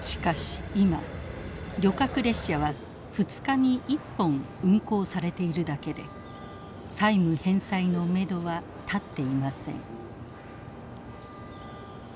しかし今旅客列車は２日に１本運行されているだけで債務返済のめどは立っていません。